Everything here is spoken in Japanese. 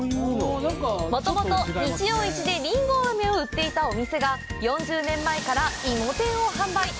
もともと日曜市でリンゴあめを売っていたお店が４０年前からいも天を販売。